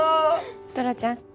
トラちゃん。